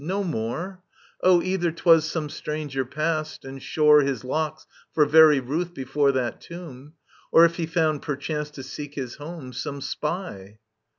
No . more I O, either 'twas some stranger passed, and shore His locks for very ruth before that tomb : Or, if he found perchance, to seek his home, Some spy